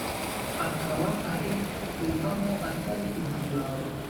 akaba ari impamo atari impuha